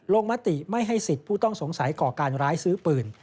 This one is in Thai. มติไม่ให้สิทธิ์ผู้ต้องสงสัยก่อการร้ายซื้อปืน